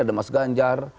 ada mas ganjar